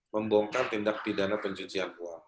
membongkar tindak pidana pencucian uang